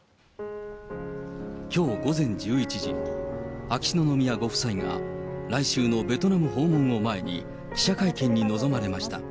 きょう午前１１時、秋篠宮ご夫妻が、来週のベトナム訪問を前に、記者会見に臨まれました。